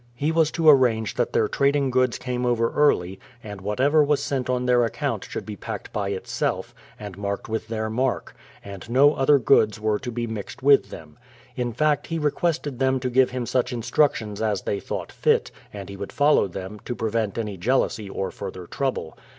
He was to arrange that their trading goods came over early, and what ever was sent on their account should be packed by itself, and marked with their mark; and no other goods were to be mixed with them. In fact he requested them to give him such instructions as they thought fit, and he would follow them, to prevent any jealousy or further trouble.